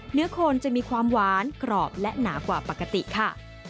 โคนจะมีความหวานกรอบและหนากว่าปกติค่ะ